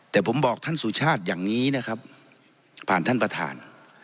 แต่ผมบอกท่านสุชาติอย่างนี้นะครับผ่านท่านประธาน